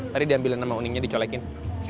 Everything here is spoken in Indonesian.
tadi diambilin sama uningnya dicolekin